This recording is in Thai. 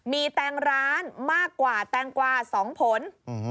มีแตงร้านมากกว่าแตงกว่า๒ผล